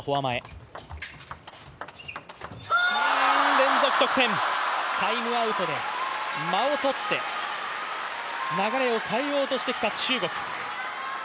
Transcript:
連続得点、タイムアウトで間を取って、流れを変えようとしてきた中国。